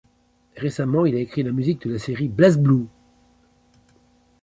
Récemment, il a écrit la musique de la série BlazBlue.